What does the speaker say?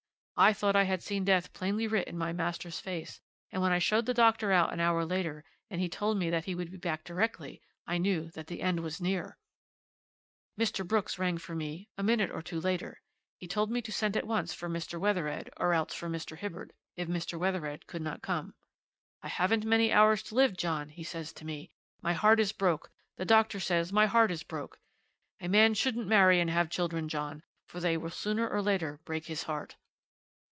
I thought I had seen death plainly writ in my master's face, and when I showed the doctor out an hour later, and he told me that he would be back directly, I knew that the end was near. "'Mr. Brooks rang for me a minute or two later. He told me to send at once for Mr. Wethered, or else for Mr. Hibbert, if Mr. Wethered could not come. "I haven't many hours to live, John," he says to me "my heart is broke, the doctor says my heart is broke. A man shouldn't marry and have children, John, for they will sooner or later break his heart."